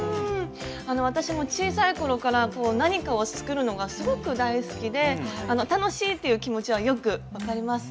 私も小さい頃から何かを作るのがすごく大好きで楽しいっていう気持ちはよく分かります。